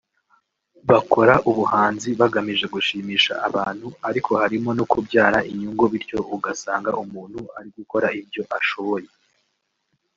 Bakora ubuhanzi bagamije gushimisha abantu ariko harimo no kubyara inyungu bityo ugasanga umuntu ari gukora ibyo ashoboye